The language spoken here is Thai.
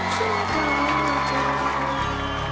ฉันก็รู้จัก